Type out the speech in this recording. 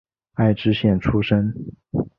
爱知县出身。